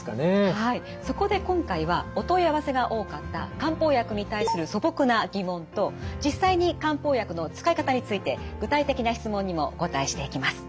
はいそこで今回はお問い合わせが多かった漢方薬に対する素朴な疑問と実際に漢方薬の使い方について具体的な質問にもお答えしていきます。